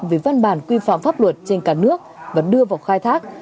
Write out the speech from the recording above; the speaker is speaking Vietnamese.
về văn bản quy phạm pháp luật trên cả nước và đưa vào khai thác